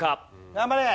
頑張れ！